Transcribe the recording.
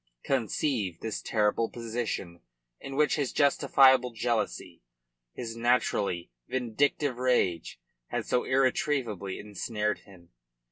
Conceive this terrible position in which his justifiable jealousy his naturally vindictive rage had so irretrievably ensnared him.